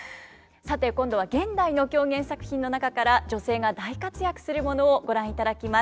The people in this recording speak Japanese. さて今度は現代の狂言作品の中から女性が大活躍するものをご覧いただきます。